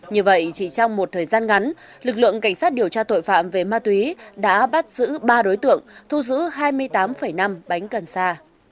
như vậy chỉ trong một thời gian ngắn lực lượng cảnh sát điều tra tội phạm về ma túy đã bắt giữ ba đối tượng thu giữ hai mươi tám năm bánh cần sa